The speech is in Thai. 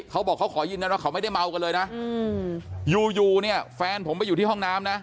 เขาบอกเขาขอยืนยันว่าเขาไม่ได้เมากันเลยนะอยู่อยู่เนี่ยแฟนผมไปอยู่ที่ห้องน้ำนะ